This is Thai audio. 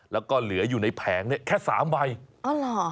แล้วก็เหลืออยู่ในแผงนี่แค่๓ใบโอ้หละ